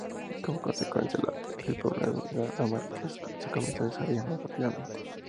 Como consecuencia, el poblado de Lárnaca se comenzó a desarrollar más rápidamente.